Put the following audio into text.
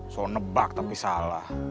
soal nebak tapi salah